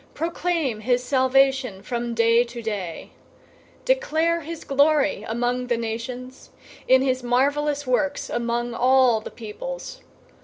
Proclaim his salvation from day to day! 096:003 Declare his glory among the nations, his marvelous works among all the peoples.